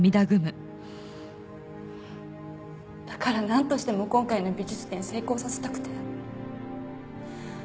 だからなんとしても今回の美術展成功させたくて。